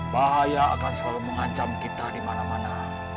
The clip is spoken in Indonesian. bahaya akan selalu mengancam kita di mana mana